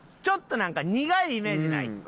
ちょっとなんか苦いイメージない？